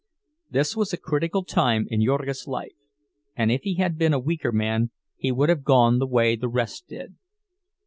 This was a critical time in Jurgis' life, and if he had been a weaker man he would have gone the way the rest did.